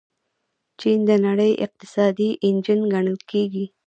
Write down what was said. چین د نړۍ اقتصادي انجن ګڼل کیږي.